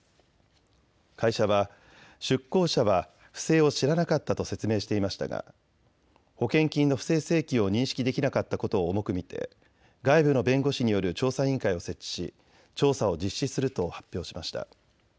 会社は出向者は不正を知らなかったと説明していましたが保険金の不正請求を認識できなかったことを重く見て外部の弁護士による調査委員会を設置し調査を実施すると発表しました。